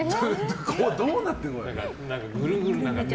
どうなってんの？